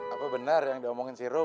apa bener yang diomongin si rum